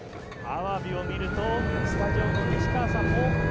あわびを見るとスタジオの西川さんも